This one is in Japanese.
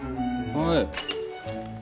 はい。